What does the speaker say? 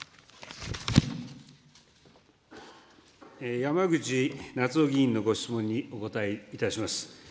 山口那津男議員のご質問にお答えいたします。